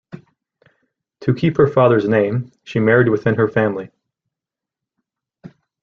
To keep her father's name, she married within her family.